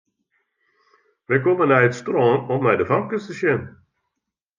Wy komme nei it strân om nei de famkes te sjen.